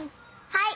はい！